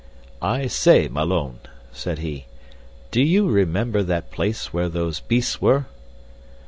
"I say, Malone," said he, "do you remember that place where those beasts were?"